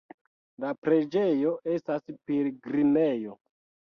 La preĝejo estas pilgrimejo.